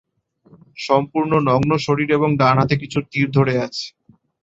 সম্পূর্ণ নগ্ন শরীর এবং ডান হাতে কিছু তীর ধরে আছে।